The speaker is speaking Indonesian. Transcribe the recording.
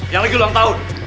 yang lagi luang tahun